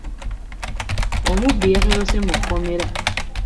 Omubbi yatolose mu kkomera.